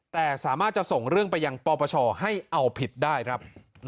แต่สามารถจะส่งเรื่องไปยังปปชให้เอาผิดได้ครับ